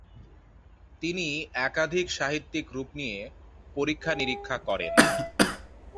তিনি একাধিক সাহিত্যিক রূপ নিয়ে পরীক্ষানিরীক্ষা করেন।